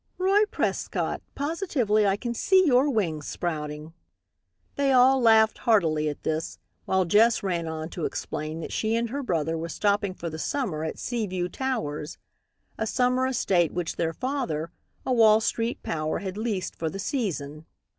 "Roy Prescott, positively I can see your wings sprouting." They all laughed heartily at this, while Jess ran on to explain that she and her brother were stopping for the summer at Seaview Towers, a summer estate which their father, a Wall Street power, had leased for the season.